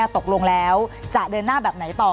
ตกลงแล้วจะเดินหน้าแบบไหนต่อ